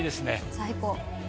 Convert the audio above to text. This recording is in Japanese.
最高。